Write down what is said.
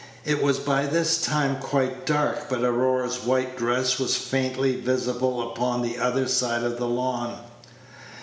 It was by this time quite dark, but Aurora's white dress was faintly visible upon the other side of the lawn.